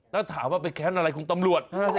ถ้าถามว่าเป็นแคลนด์อะไรคุณตำรวจ